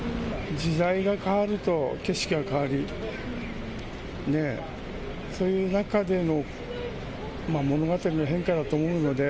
時代が変わると景色が変わり、そういう中での物語の変化だと思うので。